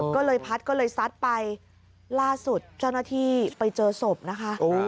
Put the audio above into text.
ก็เลยพัดก็เลยซัดไปล่าสุดเจ้าหน้าที่ไปเจอศพนะคะ